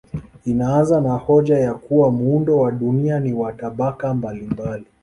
Inaanza na hoja ya kuwa muundo wa dunia ni wa tabaka mbalimbali.